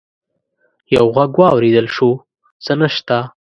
يو غږ واورېدل شو: څه نشته!